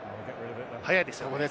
速いですよ。